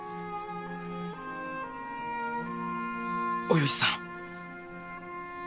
およしさん。